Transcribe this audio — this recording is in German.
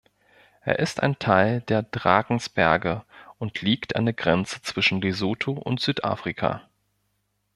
Er ist Teil der Drakensberge und liegt an der Grenze zwischen Lesotho und Südafrika.